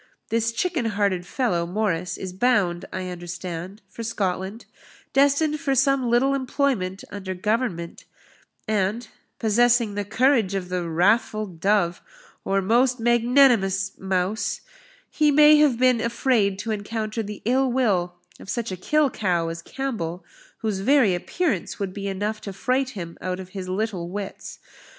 This chicken hearted fellow, Morris, is bound, I understand, for Scotland, destined for some little employment under Government; and, possessing the courage of the wrathful dove, or most magnanimous mouse, he may have been afraid to encounter the ill will of such a kill cow as Campbell, whose very appearance would be enough to fright him out of his little wits.